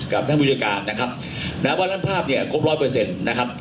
กับท่านบุญจิการนะครับแนะวะด้านภาพเนี่ยครบร้อยเปอร์เซ็นต์นะครับ